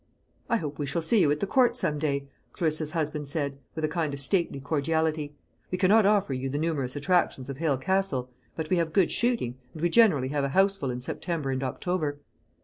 "I hope we shall see you at the Court some day," Clarissa's husband said, with a kind of stately cordiality. "We cannot offer you the numerous attractions of Hale Castle, but we have good shooting, and we generally have a houseful in September and October."